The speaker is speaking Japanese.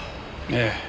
ええ。